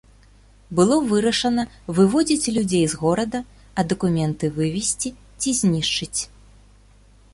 Было вырашана выводзіць людзей з горада, а дакументы вывезці ці знішчыць.